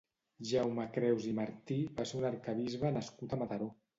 Jaume Creus i Martí va ser un arquebisbe nascut a Mataró.